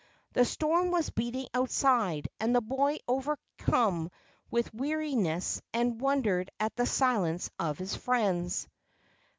The storm was beating outside, and the boy was overcome with weariness and wondered at the silence of his friends.